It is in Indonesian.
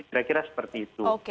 kira kira seperti itu